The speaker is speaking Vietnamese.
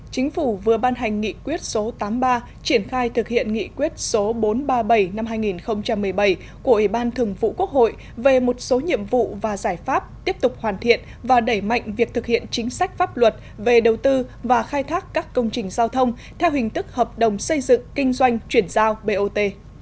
chính phủ vừa ban hành nghị quyết số tám mươi ba triển khai thực hiện nghị quyết số bốn trăm ba mươi bảy năm hai nghìn một mươi bảy của ủy ban thường vụ quốc hội về một số nhiệm vụ và giải pháp tiếp tục hoàn thiện và đẩy mạnh việc thực hiện chính sách pháp luật về đầu tư và khai thác các công trình giao thông theo hình thức hợp đồng xây dựng kinh doanh chuyển giao bot